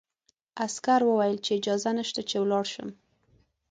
عسکر وویل چې اجازه نشته چې لاړ شم.